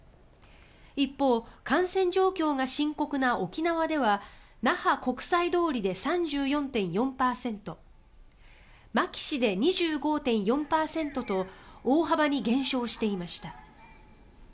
一方、感染状況が深刻な沖縄では那覇・国際通りで３４．４％牧志で２５．４％と大幅に減少していました。